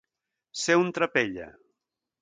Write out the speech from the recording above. Ser un trapella.